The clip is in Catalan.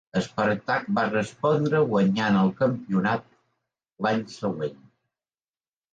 Spartak va respondre guanyant el campionat l'any següent.